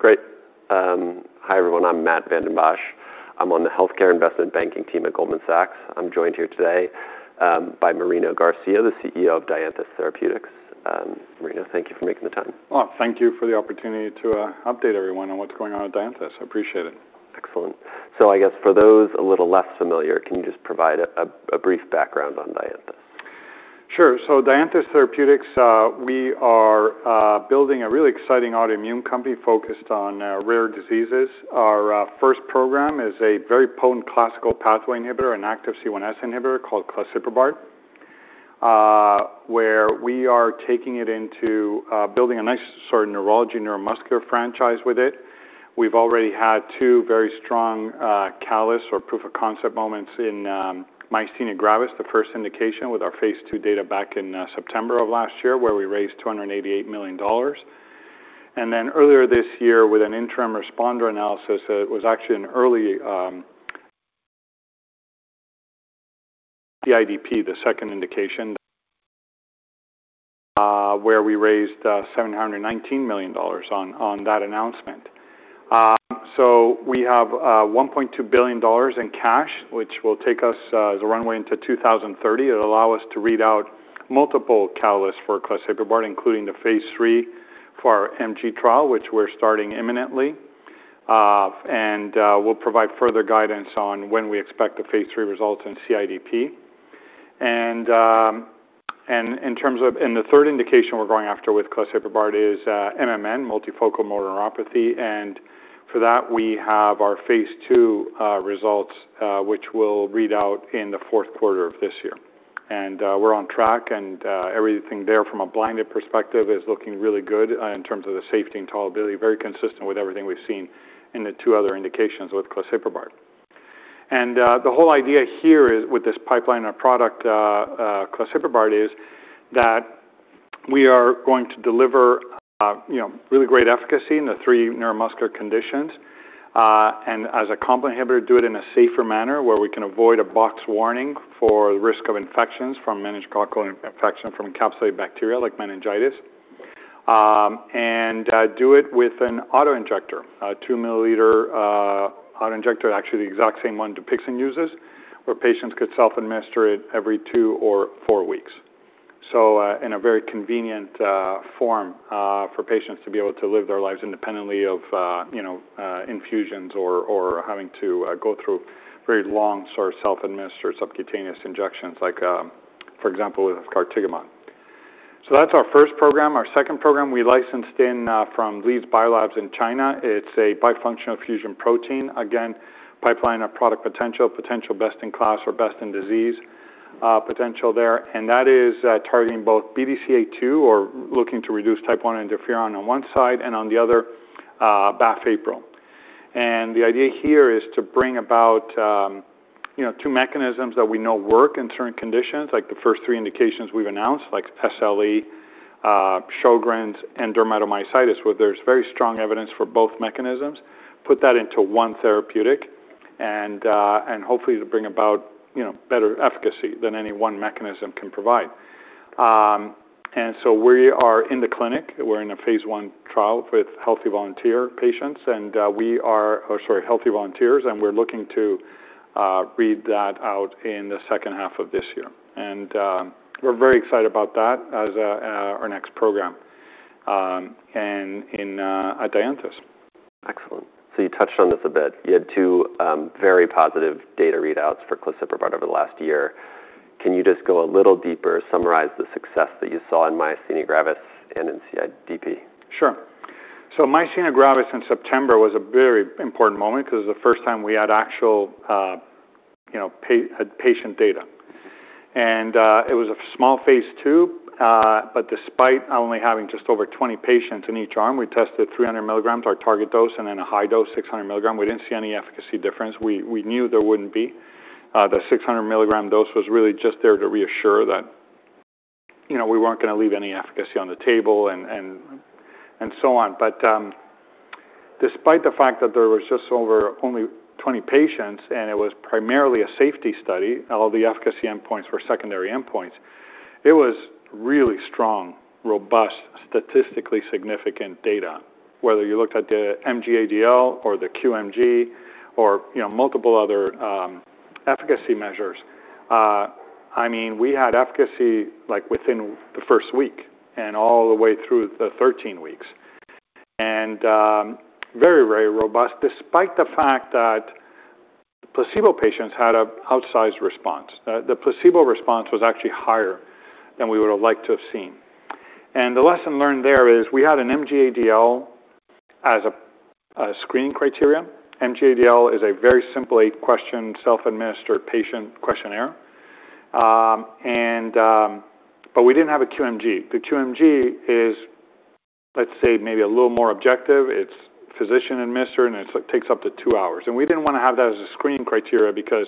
Great. Hi, everyone. I'm Matthew Vanden Bosch. I'm on the healthcare investment banking team at Goldman Sachs. I'm joined here today by Marino Garcia, the CEO of Dianthus Therapeutics. Marino, thank you for making the time. Oh, thank you for the opportunity to update everyone on what's going on at Dianthus. I appreciate it. Excellent. I guess for those a little less familiar, can you just provide a brief background on Dianthus? Sure. Dianthus Therapeutics, we are building a really exciting autoimmune company focused on rare diseases. Our first program is a very potent classical pathway inhibitor, an active C1s inhibitor called claseprubart, where we are taking it into building a nice sort of neurology neuromuscular franchise with it. We've already had two very strong catalysts or proof of concept moments in myasthenia gravis, the first indication with our phase II data back in September of last year, where we raised $288 million. Earlier this year with an interim responder analysis, it was actually an early CIDP, the second indication, where we raised $719 million on that announcement. We have $1.2 billion in cash, which will take us as a runway into 2030. It'll allow us to read out multiple catalysts for claseprubart, including the phase III for our MG trial, which we're starting imminently. We'll provide further guidance on when we expect the phase III results in CIDP. The third indication we're going after with claseprubart is MMN, multifocal motor neuropathy, and for that, we have our phase II results, which we'll read out in the fourth quarter of this year. We're on track, and everything there from a blinded perspective is looking really good in terms of the safety and tolerability, very consistent with everything we've seen in the two other indications with claseprubart. The whole idea here with this pipeline of product, claseprubart, is that we are going to deliver really great efficacy in the three neuromuscular conditions, and as a complement inhibitor, do it in a safer manner where we can avoid a box warning for risk of infections from meningococcal infection from encapsulated bacteria like meningitis, and do it with an autoinjector, a 2 ml autoinjector, actually the exact same one DUPIXENT uses, where patients could self-administer it every two or four weeks. In a very convenient form for patients to be able to live their lives independently of infusions or having to go through very long sort of self-administered subcutaneous injections, like, for example, with efgartigimod. That's our first program. Our second program we licensed in from Leads Biolabs in China. It's a bifunctional fusion protein. Again, pipeline of product potential best-in-class or best-in-disease potential there, that is targeting both BDCA2 or looking to reduce type I interferon on one side, on the other, BAFF/APRIL. The idea here is to bring about two mechanisms that we know work in certain conditions, like the first three indications we've announced, like SLE, Sjögren's, and dermatomyositis, where there's very strong evidence for both mechanisms, put that into one therapeutic, and hopefully to bring about better efficacy than any one mechanism can provide. We are in the clinic. We're in a phase I trial with healthy volunteer patients, healthy volunteers, and we're looking to read that out in the second half of this year. We're very excited about that as our next program at Dianthus. Excellent. You touched on this a bit. You had two very positive data readouts for claseprubart over the last year. Can you just go a little deeper, summarize the success that you saw in myasthenia gravis and in CIDP? Sure. Myasthenia gravis in September was a very important moment because it was the first time we had actual patient data. It was a small phase II, but despite only having just over 20 patients in each arm, we tested 300 mg, our target dose, and then a high dose, 600 mg. We didn't see any efficacy difference. We knew there wouldn't be. The 600 mg dose was really just there to reassure that we weren't going to leave any efficacy on the table and so on. Despite the fact that there was just over only 20 patients and it was primarily a safety study, all the efficacy endpoints were secondary endpoints, it was really strong, robust, statistically significant data, whether you looked at the MG-ADL or the QMG or multiple other efficacy measures. We had efficacy within the first week and all the way through the 13 weeks, and very robust despite the fact that placebo patients had an outsized response. The placebo response was actually higher than we would've liked to have seen. The lesson learned there is we had an MG-ADL as a screening criteria. MG-ADL is a very simply questioned, self-administered patient questionnaire. We didn't have a QMG. The QMG is, let's say, maybe a little more objective. It's physician-administered, and it takes up to two hours. We didn't want to have that as a screening criteria because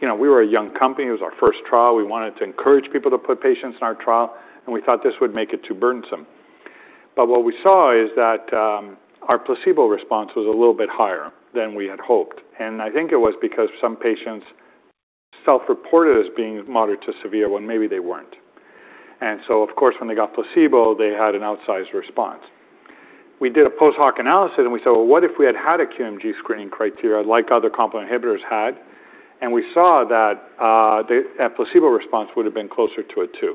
we were a young company. It was our first trial. We wanted to encourage people to put patients in our trial, and we thought this would make it too burdensome. What we saw is that our placebo response was a little bit higher than we had hoped, and I think it was because some patients self-reported as being moderate to severe when maybe they weren't. Of course, when they got placebo, they had an outsized response. We did a post hoc analysis, and we said, "Well, what if we had had a QMG screening criteria like other complement inhibitors had?" We saw that placebo response would have been closer to a two.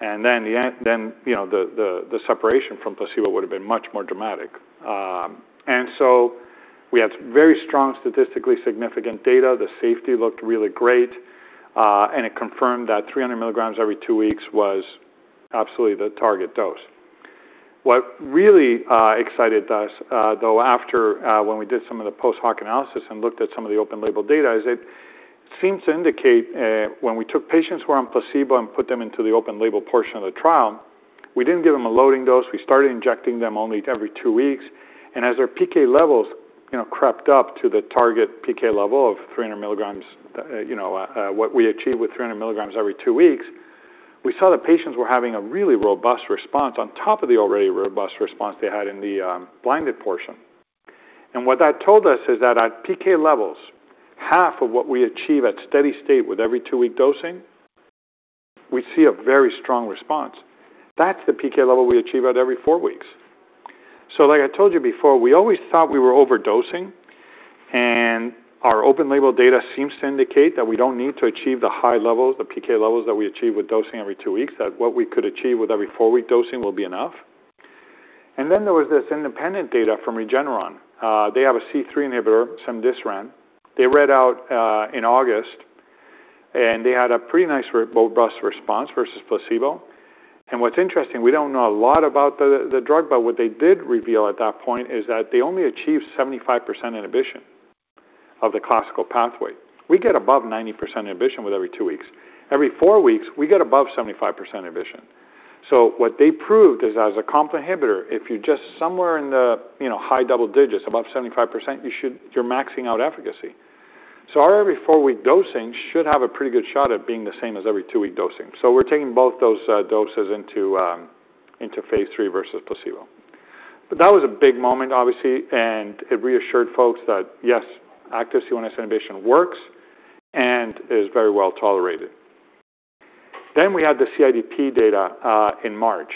The separation from placebo would have been much more dramatic. We had very strong statistically significant data. The safety looked really great. It confirmed that 300 mg every two weeks was absolutely the target dose. What really excited us, though, after when we did some of the post hoc analysis and looked at some of the open label data, is it seems to indicate when we took patients who are on placebo and put them into the open label portion of the trial, we didn't give them a loading dose. We started injecting them only every two weeks, and as their PK levels crept up to the target PK level of 300 mg, what we achieved with 300 mg every two weeks, we saw that patients were having a really robust response on top of the already robust response they had in the blinded portion. What that told us is that at PK levels, half of what we achieve at steady state with every two-week dosing, we see a very strong response. That's the PK level we achieve at every four weeks. Like I told you before, we always thought we were overdosing, and our open label data seems to indicate that we don't need to achieve the high levels, the PK levels that we achieve with dosing every two weeks. What we could achieve with every four-week dosing will be enough. There was this independent data from Regeneron. They have a C3 inhibitor, cemdisiran, they read out in August, and they had a pretty nice robust response versus placebo. What's interesting, we don't know a lot about the drug, but what they did reveal at that point is that they only achieved 75% inhibition of the classical pathway. We get above 90% inhibition with every two weeks. Every four weeks, we get above 75% inhibition. What they proved is that as a complement inhibitor, if you're just somewhere in the high double digits above 75%, you're maxing out efficacy. Our every-four-week dosing should have a pretty good shot at being the same as every two-week dosing. We're taking both those doses into phase III versus placebo. That was a big moment, obviously, and it reassured folks that, yes, active C1s inhibition works and is very well tolerated. We had the CIDP data in March.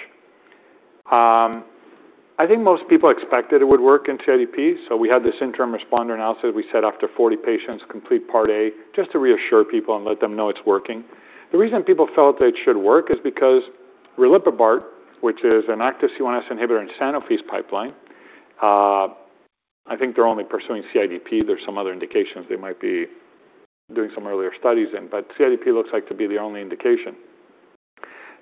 I think most people expected it would work in CIDP. We had this interim responder analysis. We set off to 40 patients, complete part A, just to reassure people and let them know it's working. The reason people felt it should work is because riliprubart, which is an active C1s inhibitor in Sanofi's pipeline, I think they're only pursuing CIDP. There's some other indications they might be doing some earlier studies in, but CIDP looks like to be the only indication.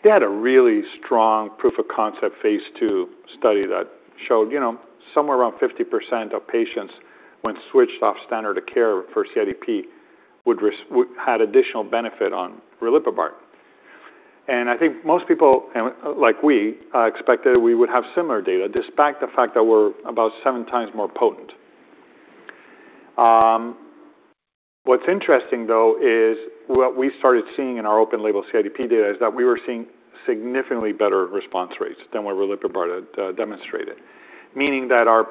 They had a really strong proof of concept phase II study that showed somewhere around 50% of patients, when switched off standard of care for CIDP, had additional benefit on riliprubart. I think most people, like we, expected we would have similar data despite the fact that we're about seven times more potent. What's interesting, though, is what we started seeing in our open label CIDP data is that we were seeing significantly better response rates than what riliprubart had demonstrated, meaning that our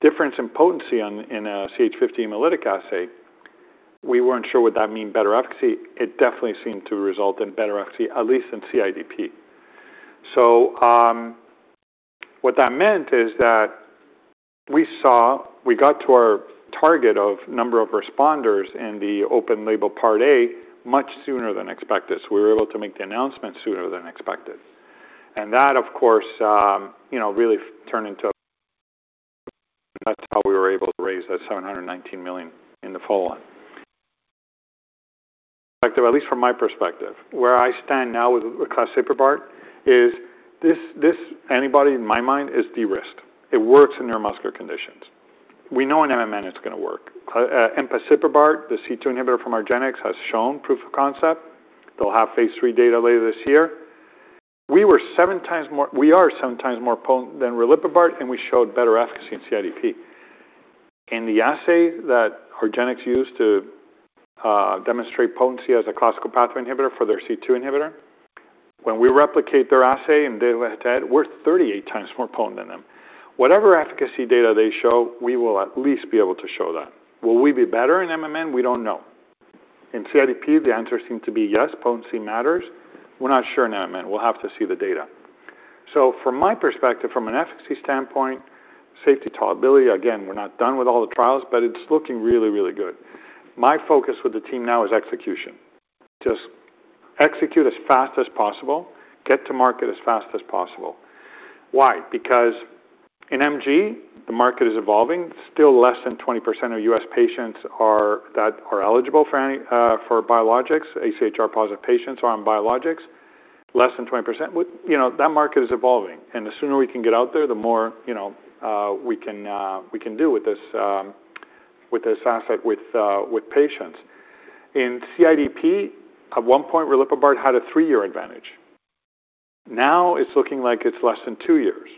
difference in potency in a CH50 hemolytic assay, we weren't sure would that mean better efficacy. It definitely seemed to result in better efficacy, at least in CIDP. What that meant is that we got to our target of number of responders in the open label part A much sooner than expected. We were able to make the announcement sooner than expected. That, of course, really turned into that's how we were able to raise that $719 million in the follow-on. At least from my perspective, where I stand now with claseprubart is this antibody, in my mind, is de-risked. It works in neuromuscular conditions. We know in MMN it's going to work. empasiprubart, the C2 inhibitor from argenx, has shown proof of concept. They'll have phase III data later this year. We are seven times more potent than riliprubart, and we showed better efficacy in CIDP. In the assay that argenx used to demonstrate potency as a classical pathway inhibitor for their C2 inhibitor, when we replicate their assay in 10 days, we are 38 times more potent than them. Whatever efficacy data they show, we will at least be able to show that. Will we be better in MMN? We do not know. In CIDP, the answer seemed to be yes, potency matters. We are not sure in MMN. We will have to see the data. From my perspective, from an efficacy standpoint, safety tolerability, again, we are not done with all the trials, but it is looking really, really good. My focus with the team now is execution. Just execute as fast as possible, get to market as fast as possible. Why? Because in MG, the market is evolving. Still less than 20% of U.S. patients that are eligible for biologics, AChR-positive patients who are on biologics, less than 20%. That market is evolving. The sooner we can get out there, the more we can do with this asset with patients. In CIDP, at one point, riliprubart had a three-year advantage. Now it is looking like it is less than two years.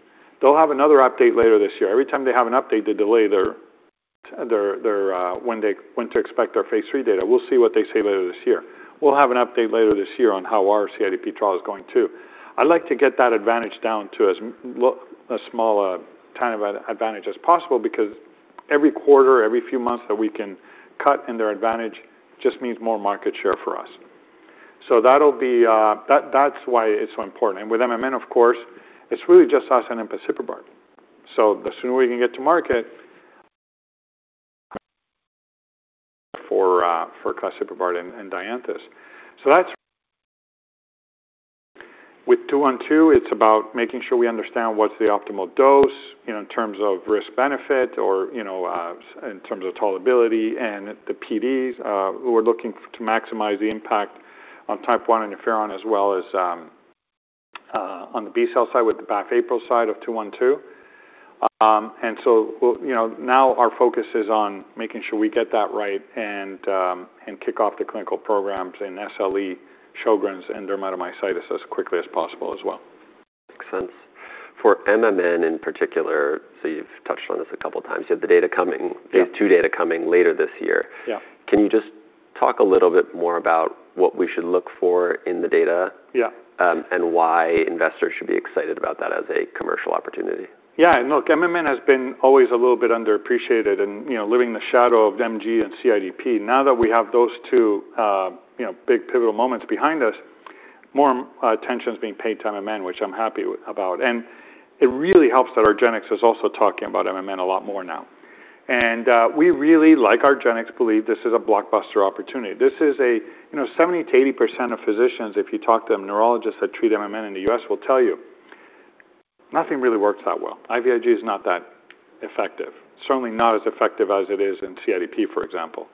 They will have another update later this year. Every time they have an update, they delay when to expect their phase III data. We will see what they say later this year. We will have an update later this year on how our CIDP trial is going, too. I would like to get that advantage down to as small an advantage as possible, because every quarter, every few months that we can cut into their advantage just means more market share for us. That is why it is so important. With MMN, of course, it is really just us and empasiprubart. The sooner we can get to market for claseprubart and Dianthus. With DNTH212, it is about making sure we understand what is the optimal dose in terms of risk benefit or in terms of tolerability and the PDs, who are looking to maximize the impact on type I interferon as well as on the B-cell side with the BAFF/APRIL side of DNTH212. Now our focus is on making sure we get that right and kick off the clinical programs in SLE, Sjögren's, and dermatomyositis as quickly as possible as well. Makes sense. For MMN in particular, you have touched on this a couple times. You have the data coming- Yeah. Phase II data coming later this year. Yeah. Can you just talk a little bit more about what we should look for in the data? Yeah. Why investors should be excited about that as a commercial opportunity? Yeah, look, MMN has been always a little bit underappreciated and living in the shadow of MG and CIDP. Now that we have those two big pivotal moments behind us, more attention is being paid to MMN, which I'm happy about. It really helps that argenx is also talking about MMN a lot more now. We really, like argenx, believe this is a blockbuster opportunity. 70%-80% of physicians, if you talk to them, neurologists that treat MMN in the U.S. will tell you nothing really works that well. IVIG is not that effective, certainly not as effective as it is in CIDP, for example.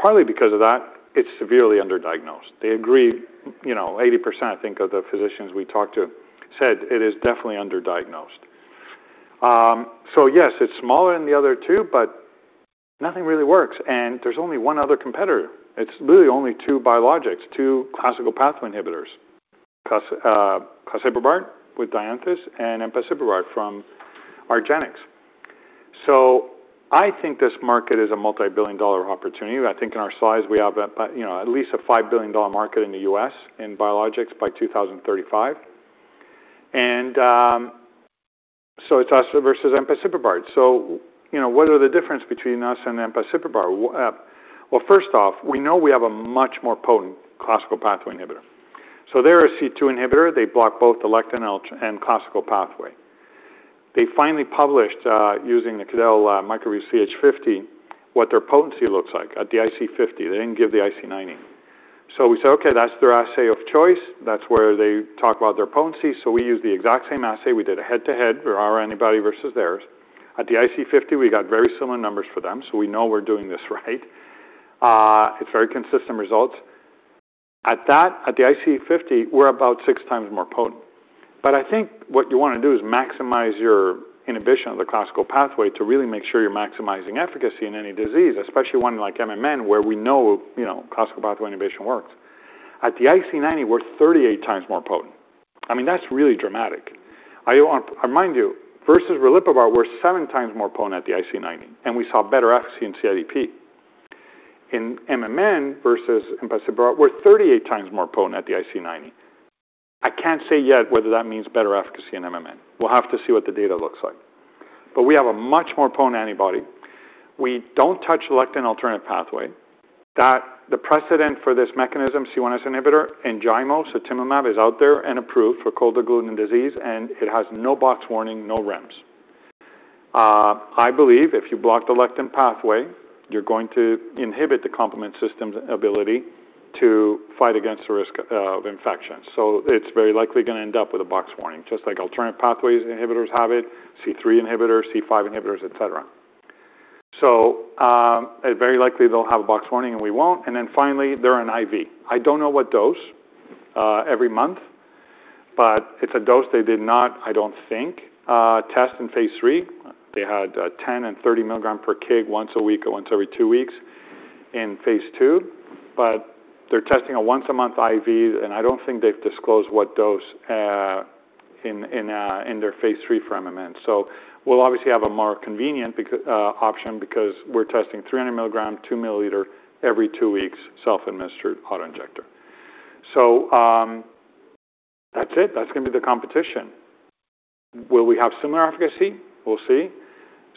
Partly because of that, it's severely underdiagnosed. They agree, 80%, I think, of the physicians we talked to said it is definitely underdiagnosed. Yes, it's smaller than the other two, but nothing really works, and there's only one other competitor. It's really only two biologics, two classical pathway inhibitors, claseprubart with Dianthus and empasiprubart from argenx. I think this market is a multi-billion dollar opportunity. I think in our slides we have at least a $5 billion market in the U.S. in biologics by 2035. It's us versus empasiprubart. What are the difference between us and empasiprubart? First off, we know we have a much more potent classical pathway inhibitor. They're a C2 inhibitor. They block both the lectin and classical pathway. They finally published, using the Quidel MicroVue CH50, what their potency looks like at the IC50. They didn't give the IC90. We said, okay, that's their assay of choice. That's where they talk about their potency, so we use the exact same assay. We did a head-to-head, our antibody versus theirs. At the IC50, we got very similar numbers for them, we know we're doing this right. It's very consistent results. At the IC50, we're about six times more potent. I think what you want to do is maximize your inhibition of the classical pathway to really make sure you're maximizing efficacy in any disease, especially one like MMN, where we know classical pathway inhibition works. At the IC90, we're 38 times more potent. That's really dramatic. I remind you, versus riliprubart, we're seven times more potent at the IC90, and we saw better efficacy in CIDP. In MMN versus empasiprubart, we're 38 times more potent at the IC90. I can't say yet whether that means better efficacy in MMN. We'll have to see what the data looks like. We have a much more potent antibody. We don't touch lectin alternative pathway. The precedent for this mechanism, C1s inhibitor, ENJAYMO, sutimlimab, is out there and approved for Cold Agglutinin Disease, and it has no box warning, no REMS. I believe if you block the lectin pathway, you're going to inhibit the complement system's ability to fight against the risk of infection. It's very likely going to end up with a box warning, just like alternative pathways inhibitors have it, C3 inhibitors, C5 inhibitors, et cetera. Very likely they'll have a box warning, and we won't. Finally, they're an IV. I don't know what dose every month, but it's a dose they did not, I don't think, test in phase III. They had 10 and 30 mg per kg once a week or once every two weeks in phase II, but they're testing a once-a-month IV, and I don't think they've disclosed what dose in their phase III for MMN. We'll obviously have a more convenient option because we're testing 300 mg, 2 mL every two weeks, self-administered autoinjector. That's it. That's going to be the competition. Will we have similar efficacy? We'll see.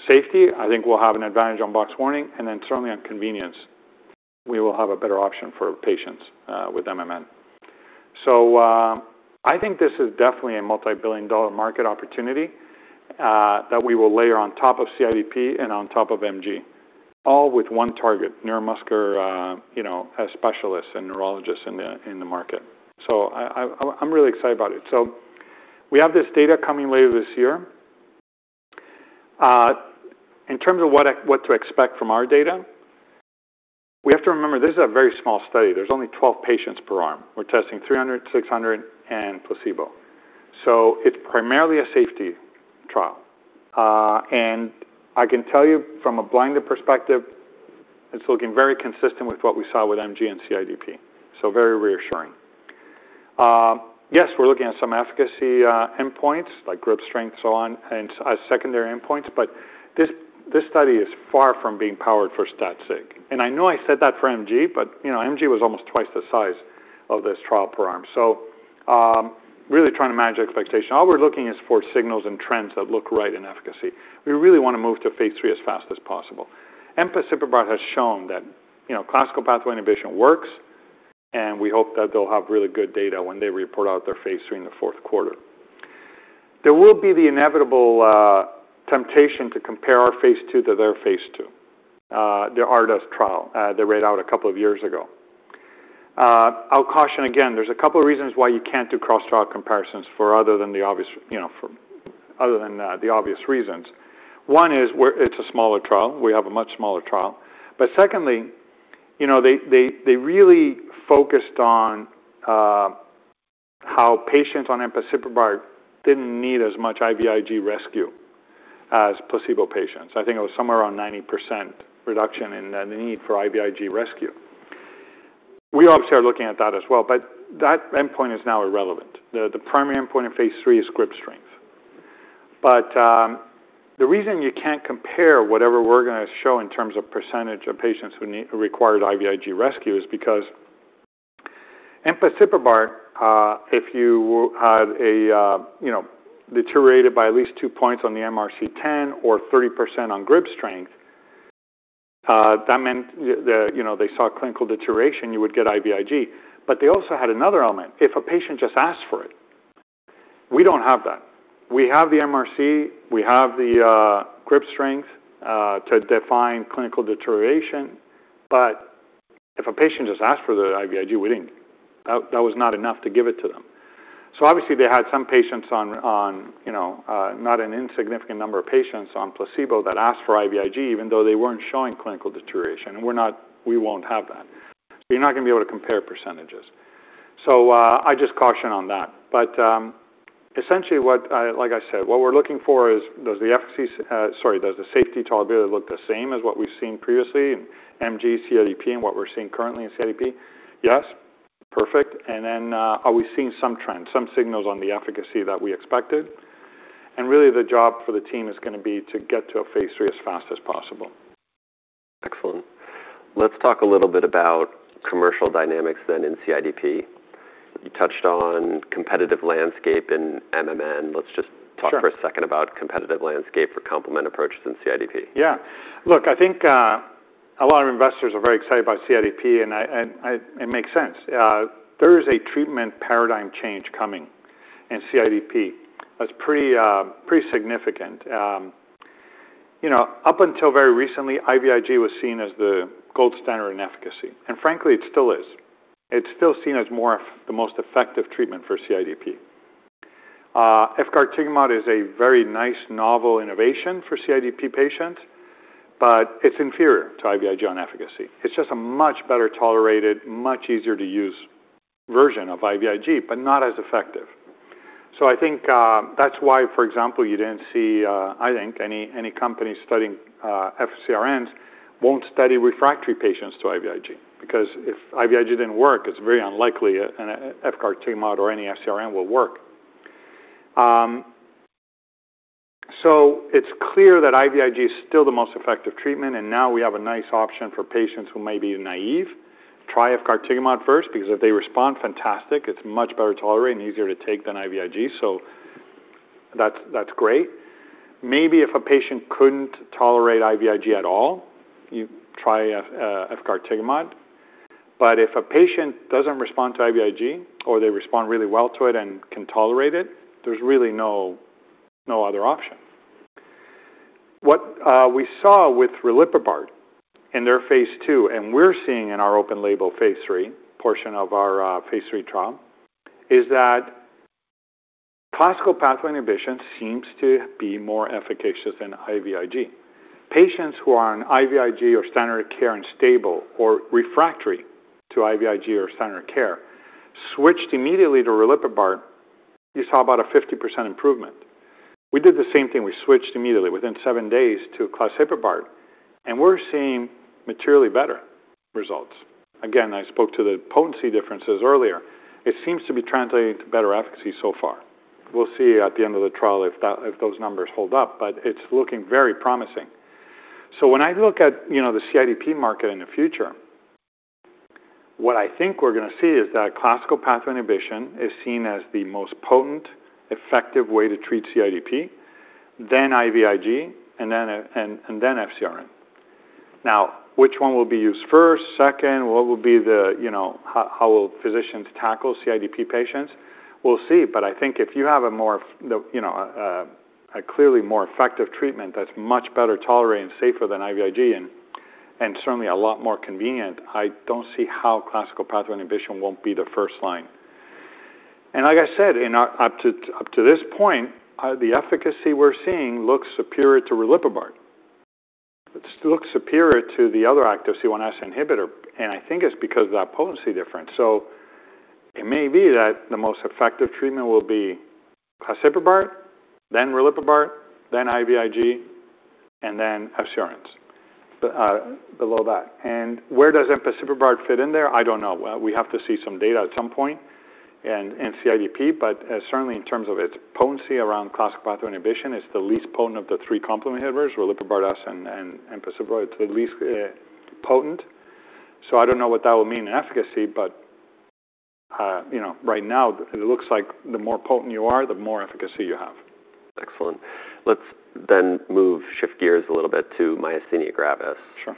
Safety, I think we'll have an advantage on box warning, and then certainly on convenience, we will have a better option for patients with MMN. I think this is definitely a multi-billion dollar market opportunity that we will layer on top of CIDP and on top of MG, all with one target, neuromuscular specialists and neurologists in the market. I'm really excited about it. We have this data coming later this year. In terms of what to expect from our data, we have to remember, this is a very small study. There is only 12 patients per arm. We are testing 300, 600, and placebo. It is primarily a safety trial. I can tell you from a blinded perspective, it is looking very consistent with what we saw with MG and CIDP, so very reassuring. Yes, we are looking at some efficacy endpoints, like grip strength, so on, and secondary endpoints. This study is far from being powered for stat sig. I know I said that for MG was almost twice the size of this trial per arm. Really trying to manage expectation. All we are looking is for signals and trends that look right in efficacy. We really want to move to phase III as fast as possible. empasiprubart has shown that classical pathway inhibition works, we hope that they will have really good data when they report out their phase III in the fourth quarter. There will be the inevitable temptation to compare our phase II to their phase II, their RAISE trial they read out a couple of years ago. I will caution again, there is a couple of reasons why you cannot do cross-trial comparisons for other than the obvious reasons. One is it is a smaller trial. We have a much smaller trial. Secondly, they really focused on how patients on empasiprubart did not need as much IVIG rescue as placebo patients. I think it was somewhere around 90% reduction in the need for IVIG rescue. We obviously are looking at that as well, that endpoint is now irrelevant. The primary endpoint in phase III is grip strength. The reason you cannot compare whatever we are going to show in terms of percentage of patients who required IVIG rescue is because empasiprubart, if you deteriorated by at least 2 points on the MRC 10 or 30% on grip strength, that meant they saw clinical deterioration, you would get IVIG. They also had another element. If a patient just asked for it. We do not have that. We have the MRC, we have the grip strength to define clinical deterioration, if a patient just asked for the IVIG, that was not enough to give it to them. Obviously they had some patients, not an insignificant number of patients on placebo that asked for IVIG even though they were not showing clinical deterioration, we will not have that. You are not going to be able to compare percentages. I just caution on that. Essentially, like I said, what we are looking for is does the safety tolerability look the same as what we have seen previously in MG, CIDP, what we are seeing currently in CIDP? Yes. Perfect. Are we seeing some trends, some signals on the efficacy that we expected? Really the job for the team is going to be to get to a phase III as fast as possible. Excellent. Let's talk a little bit about commercial dynamics then in CIDP. You touched on competitive landscape in MMN. Sure. Let's just talk for a second about competitive landscape for complement approaches in CIDP. Yeah. Look, I think a lot of investors are very excited about CIDP. It makes sense. There is a treatment paradigm change coming in CIDP that's pretty significant. Up until very recently, IVIG was seen as the gold standard in efficacy. Frankly, it still is. It's still seen as the most effective treatment for CIDP. efgartigimod is a very nice novel innovation for CIDP patients, but it's inferior to IVIG on efficacy. It's just a much better tolerated, much easier to use version of IVIG, but not as effective. I think that's why, for example, you didn't see, I think, any companies studying FcRn won't study refractory patients to IVIG. Because if IVIG didn't work, it's very unlikely an efgartigimod or any FcRn will work. It's clear that IVIG is still the most effective treatment, and now we have a nice option for patients who may be naive. Try efgartigimod first, because if they respond, fantastic. It's much better tolerated and easier to take than IVIG. That's great. Maybe if a patient couldn't tolerate IVIG at all, you try efgartigimod. If a patient doesn't respond to IVIG or they respond really well to it and can tolerate it, there's really no other option. What we saw with riliprubart in their phase II, and we're seeing in our open label phase III portion of our phase III trial, is that classical pathway inhibition seems to be more efficacious than IVIG. Patients who are on IVIG or standard care and stable or refractory to IVIG or standard care switched immediately to riliprubart, you saw about a 50% improvement. We did the same thing. We switched immediately within seven days to claseprubart, and we're seeing materially better results. Again, I spoke to the potency differences earlier. It seems to be translating to better efficacy so far. We'll see at the end of the trial if those numbers hold up, but it's looking very promising. When I look at the CIDP market in the future, what I think we're going to see is that classical pathway inhibition is seen as the most potent, effective way to treat CIDP, then IVIG, and then FcRn. Now, which one will be used first, second? How will physicians tackle CIDP patients? We'll see. I think if you have a clearly more effective treatment that's much better tolerated and safer than IVIG and certainly a lot more convenient, I don't see how classical pathway inhibition won't be the first line. Like I said, up to this point, the efficacy we're seeing looks superior to riliprubart. It looks superior to the other active C1s inhibitor, and I think it's because of that potency difference. It may be that the most effective treatment will be claseprubart, then riliprubart, then IVIG. Then FcRn below that. Where does empasiprubart fit in there? I don't know. We have to see some data at some point in CIDP, but certainly in terms of its potency around classical pathway inhibition, it's the least potent of the three complement inhibitors, riliprubart, sutimlimab, and empasiprubart. It's the least potent. I don't know what that will mean in efficacy, but right now it looks like the more potent you are, the more efficacy you have. Excellent. Let's move, shift gears a little bit to myasthenia gravis. Sure.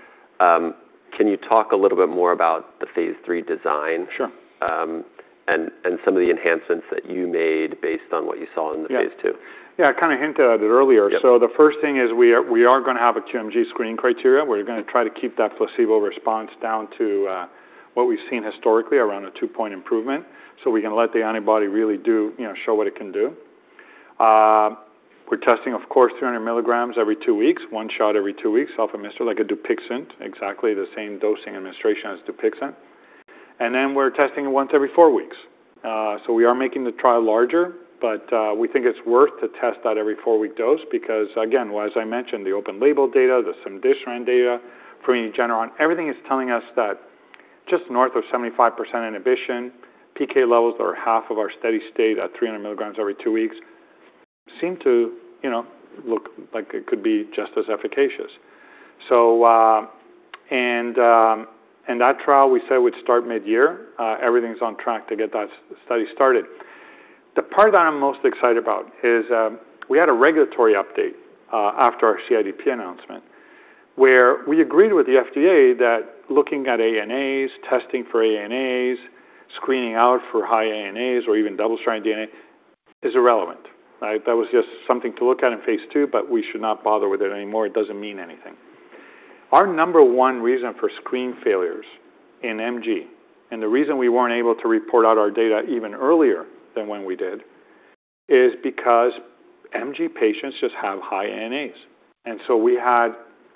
Can you talk a little bit more about the phase III design? Sure. Some of the enhancements that you made based on what you saw in the phase II. Yeah. I kind of hinted at it earlier. Yeah. The first thing is we are going to have a QMG screen criteria. We're going to try to keep that placebo response down to what we've seen historically, around a two-point improvement, so we can let the antibody really show what it can do. We're testing, of course, 300 mg every two weeks, one shot every two weeks, self-administered, like a DUPIXENT, exactly the same dosing administration as DUPIXENT. Then we're testing it once every four weeks. We are making the trial larger, but we think it's worth to test that every four-week dose because, again, as I mentioned, the open label data, the cemdisiran data, Regeneron, everything is telling us that just north of 75% inhibition, PK levels are half of our steady state at 300 mg every two weeks, seem to look like it could be just as efficacious. That trial, we said would start mid-year. Everything's on track to get that study started. The part that I'm most excited about is we had a regulatory update after our CIDP announcement where we agreed with the FDA that looking at ANAs, testing for ANAs, screening out for high ANAs or even double-stranded DNA is irrelevant, right? That was just something to look at in phase II, but we should not bother with it anymore. It doesn't mean anything. Our number one reason for screen failures in MG, and the reason we weren't able to report out our data even earlier than when we did, is because MG patients just have high ANAs. We had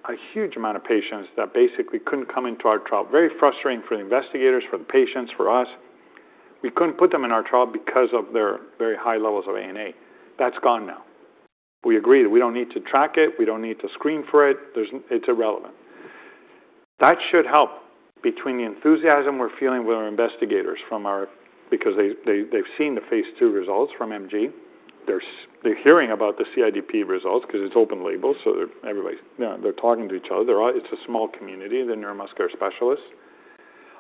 a huge amount of patients that basically couldn't come into our trial. Very frustrating for the investigators, for the patients, for us. We couldn't put them in our trial because of their very high levels of ANA. That's gone now. We agreed we don't need to track it. We don't need to screen for it. It's irrelevant. That should help between the enthusiasm we're feeling with our investigators, because they've seen the phase II results from MG. They're hearing about the CIDP results because it's open label, so everybody's talking to each other. It's a small community, the neuromuscular specialists.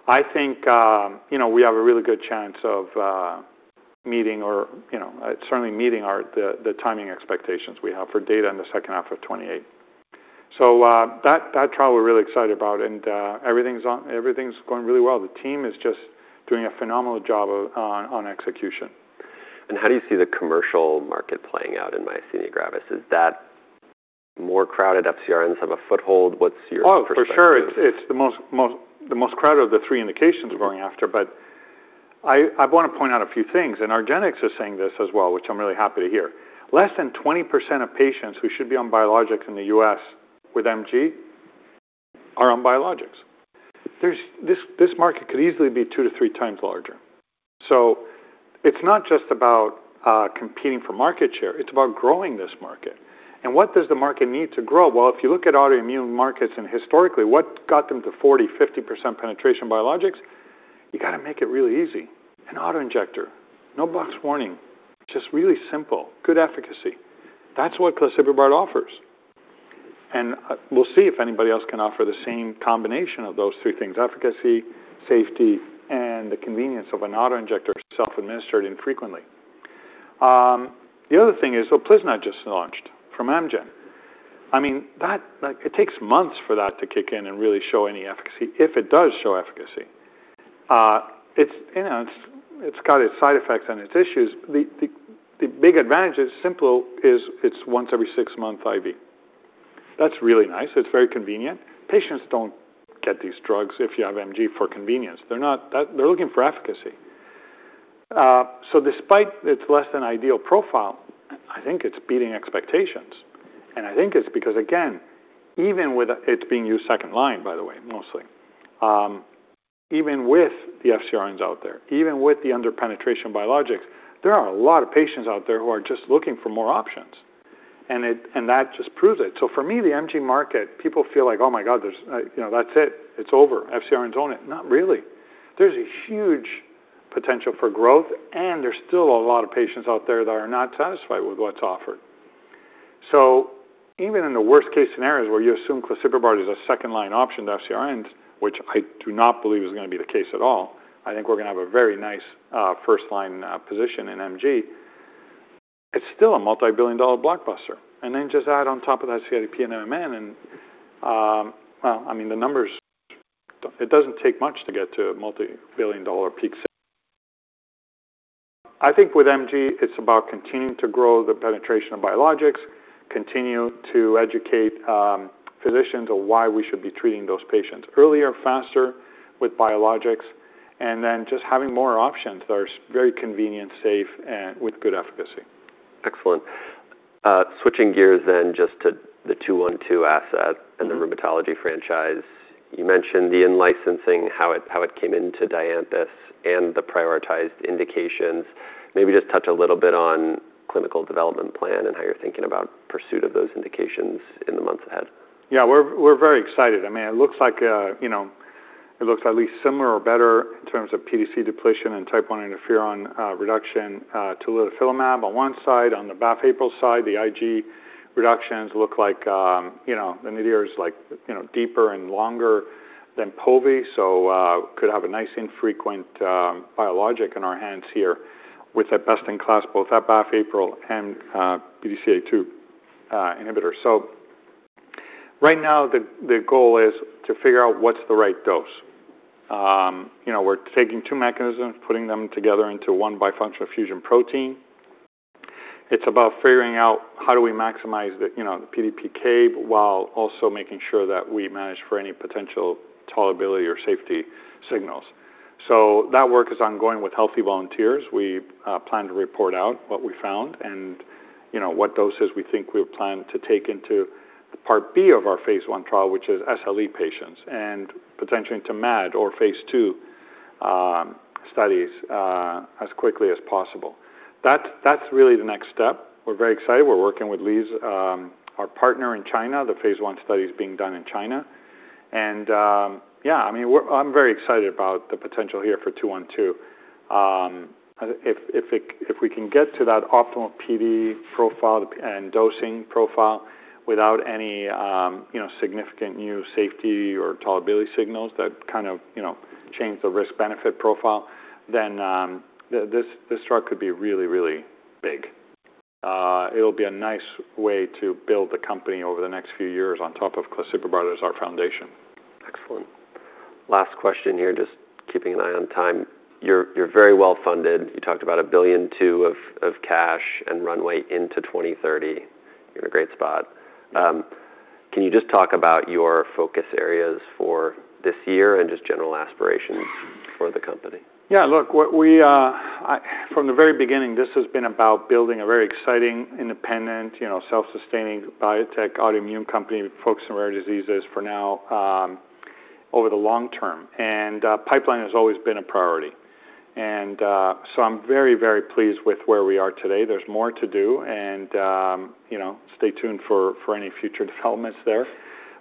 I think we have a really good chance of certainly meeting the timing expectations we have for data in the second half of 2028. That trial we're really excited about, everything's going really well. The team is just doing a phenomenal job on execution. How do you see the commercial market playing out in myasthenia gravis? Is that more crowded FcRns have a foothold? What's your perspective? Oh, for sure. It's the most crowded of the three indications we're going after. I want to point out a few things, argenx is saying this as well, which I'm really happy to hear. Less than 20% of patients who should be on biologics in the U.S. with MG are on biologics. This market could easily be two to three times larger. It's not just about competing for market share. It's about growing this market. What does the market need to grow? Well, if you look at autoimmune markets, historically, what got them to 40%-50% penetration biologics, you got to make it really easy. An autoinjector, no box warning, just really simple, good efficacy. That's what claseprubart offers. We'll see if anybody else can offer the same combination of those three things, efficacy, safety, and the convenience of an autoinjector, self-administered infrequently. The other thing is, well, UPLIZNA just launched from Amgen. It takes months for that to kick in and really show any efficacy, if it does show efficacy. It's got its side effects and its issues. The big advantage is simple, is it's once every six months IV. That's really nice. It's very convenient. Patients don't get these drugs if you have MG for convenience. They're looking for efficacy. Despite its less than ideal profile, I think it's beating expectations, and I think it's because, again, it's being used second-line, by the way, mostly. Even with the FcRns out there, even with the under-penetration biologics, there are a lot of patients out there who are just looking for more options, and that just proves it. For me, the MG market, people feel like, "Oh my God, that's it. It's over. FcRns own it." Not really. There's a huge potential for growth, and there's still a lot of patients out there that are not satisfied with what's offered. Even in the worst case scenarios where you assume claseprubart is a second-line option to FcRns, which I do not believe is going to be the case at all, I think we're going to have a very nice first-line position in MG. It's still a multi-billion dollar blockbuster. Just add on top of that CIDP and MMN and, well, it doesn't take much to get to a multi-billion dollar peak. I think with MG, it's about continuing to grow the penetration of biologics, continue to educate physicians on why we should be treating those patients earlier, faster with biologics, just having more options that are very convenient, safe, and with good efficacy. Excellent. Switching gears just to the DNTH212 asset and the rheumatology franchise. You mentioned the in-licensing, how it came into Dianthus and the prioritized indications. Maybe just touch a little bit on clinical development plan and how you're thinking about pursuit of those indications in the months ahead. We're very excited. It looks at least similar or better in terms of PDC depletion and type I interferon reduction rituximab on one side, on the abatacept side, the IG reductions look like the DNTH212 is deeper and longer than povetacicept. Could have a nice infrequent biologic in our hands here with a best-in-class, both abatacept and BDCA2 inhibitor. Right now, the goal is to figure out what's the right dose. We're taking two mechanisms, putting them together into one bifunctional fusion protein. It's about figuring out how do we maximize the PK/PD curve while also making sure that we manage for any potential tolerability or safety signals. That work is ongoing with healthy volunteers. We plan to report out what we found and what doses we think we plan to take into the part B of our phase I trial, which is SLE patients, and potentially into MAD or phase II studies as quickly as possible. That's really the next step. We're very excited. We're working with Leads, our partner in China. The phase I study is being done in China. I'm very excited about the potential here for DNTH212. If we can get to that optimal PD profile and dosing profile without any significant new safety or tolerability signals that change the risk-benefit profile, then this drug could be really big. It'll be a nice way to build the company over the next few years on top of claseprubart as our foundation. Excellent. Last question here, just keeping an eye on time. You're very well funded. You talked about a $1.2 billion of cash and runway into 2030. You're in a great spot. Can you just talk about your focus areas for this year and just general aspirations for the company? Yeah, look, from the very beginning, this has been about building a very exciting, independent, self-sustaining biotech autoimmune company, focused on rare diseases for now, over the long term. Pipeline has always been a priority. I'm very pleased with where we are today. There's more to do and stay tuned for any future developments there.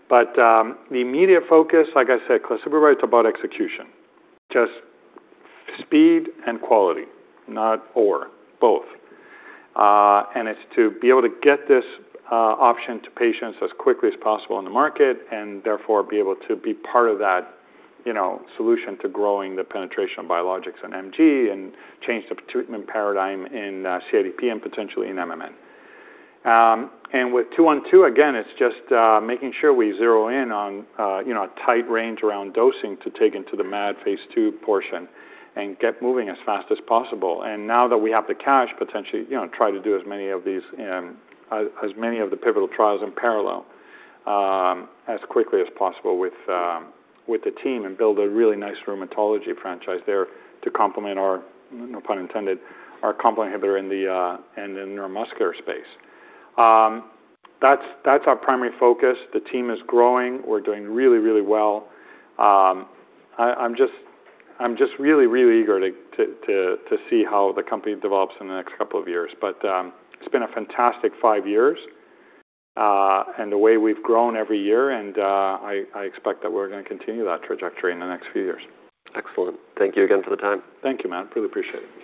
The immediate focus, like I said, claseprubart, it's about execution. Just speed and quality, not or, both. It's to be able to get this option to patients as quickly as possible in the market and therefore be able to be part of that solution to growing the penetration of biologics and MG and change the treatment paradigm in CIDP and potentially in MMN. With DNTH212, again, it's just making sure we zero in on a tight range around dosing to take into the MAD phase II portion and get moving as fast as possible. Now that we have the cash potentially, try to do as many of the pivotal trials in parallel as quickly as possible with the team and build a really nice rheumatology franchise there to complement our, no pun intended, our complement inhibitor in the neuromuscular space. That's our primary focus. The team is growing. We're doing really well. I'm just really eager to see how the company develops in the next couple of years. It's been a fantastic five years, and the way we've grown every year, and I expect that we're going to continue that trajectory in the next few years. Excellent. Thank you again for the time. Thank you, Matt. Really appreciate it.